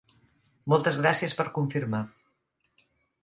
Moltes gràcies per confirmar.